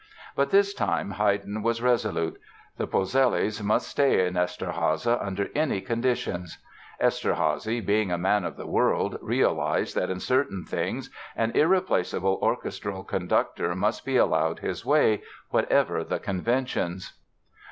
But this time Haydn was resolute. The Polzellis must stay in Eszterháza under any conditions! Eszterházy, being a man of the world, realized that in certain things an irreplaceable orchestral conductor must be allowed his way, whatever the conventions.